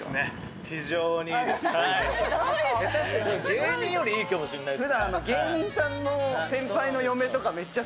芸人よりいいかもしれないですね